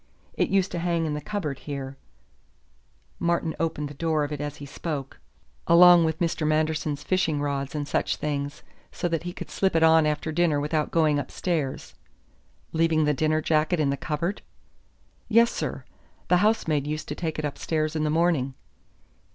It used to hang in this cupboard here" Martin opened the door of it as he spoke "along with Mr. Manderson's fishing rods and such things, so that he could slip it on after dinner without going upstairs." "Leaving the dinner jacket in the cupboard?" "Yes, sir. The housemaid used to take it upstairs in the morning."